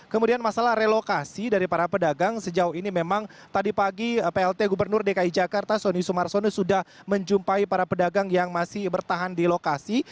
kemudian masalah relokasi dari para pedagang sejauh ini memang tadi pagi plt gubernur dki jakarta sonny sumarsono sudah menjumpai para pedagang yang masih bertahan di lokasi